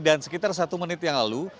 dan sekitar satu menit yang lalu